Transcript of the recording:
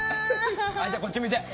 じゃあこっち向いて。